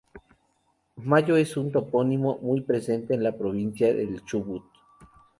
Mayo es un topónimo muy presente en la provincia del Chubut.